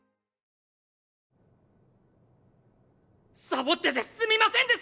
サボっててすみませんでした！